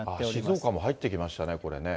静岡も入ってきましたね、これね。